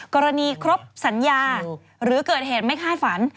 กรณีครบสัญญาหรือเกิดเหตุไม่คาดฝัน